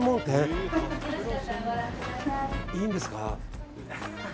いいんですか？